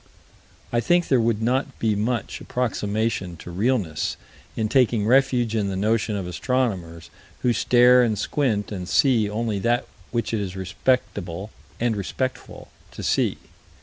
I think there would not be much approximation to realness in taking refuge in the notion of astronomers who stare and squint and see only that which it is respectable and respectful to see.